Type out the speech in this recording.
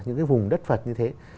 những cái vùng đất phật như thế